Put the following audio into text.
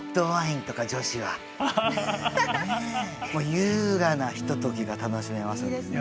優雅なひとときが楽しめますのでね。